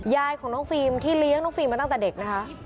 ยายของน้องฟิล์มที่เลี้ยงน้องฟิล์มมาตั้งแต่เด็กนะคะ